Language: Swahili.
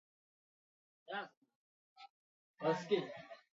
Mtoto huyu anafanya bidii sana shuleni.